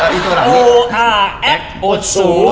อีตาแอ๊กอดสู